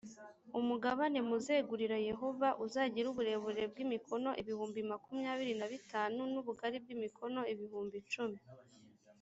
umugabane muzegurira yehova uzagire uburebure bw imikono ibihumbi makumyabiri na bitanu n ubugari bw imikono ibihumbi icumi